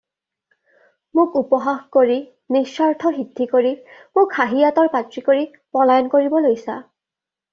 মোক উপহাস কৰি, নিজ স্বাৰ্থ সিদ্ধি কৰি, মোক হাঁহিয়াতৰ পাত্ৰী কৰি পলায়ন কৰিব লৈছা।